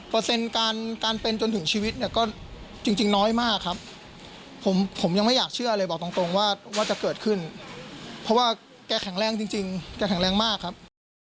การเป็นจนถึงชีวิตเนี่ยก็จริงน้อยมากครับผมยังไม่อยากเชื่อเลยบอกตรงว่าจะเกิดขึ้นเพราะว่าแกแข็งแรงจริงแกแข็งแรงมากครับ